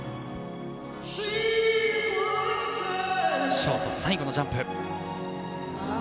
ショート最後のジャンプ。